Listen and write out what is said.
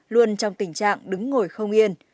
luôn trong tình trạng đứng ngồi không yên